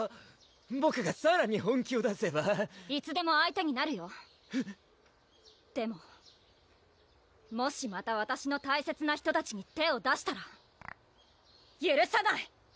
ボクがさらに本気を出せばいつでも相手になるよでももしまたわたしの大切な人たちに手を出したらゆるさない！